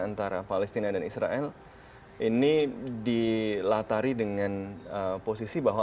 antara palestina dan israel ini dilatari dengan posisi bahwa